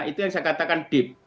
itu yang saya katakan